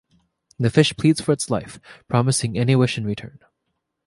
The fish pleads for its life, promising any wish in return.